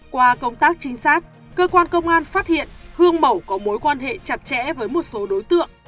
qua công tác trinh sát cơ quan công an phát hiện hương mầu có mối quan hệ chặt chẽ với một số đối tượng